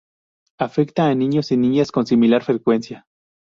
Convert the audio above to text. Afecta a niños y niñas con similar frecuencia.